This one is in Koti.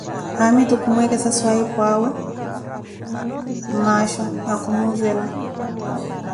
Haamitu kuh mwekesa swahipwaawe mmasho na khumuzela